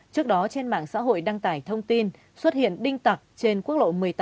trước đó trên mạng xã hội đăng tải thông tin xuất hiện đinh tặc trên quốc lộ một mươi tám